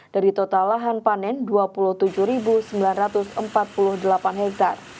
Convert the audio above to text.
dari total lahan panen dua puluh tujuh sembilan ratus empat puluh delapan hektare